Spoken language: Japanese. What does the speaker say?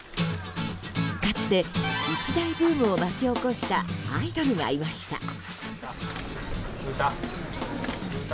かつて一大ブームを巻き起こしたアイドルがいました。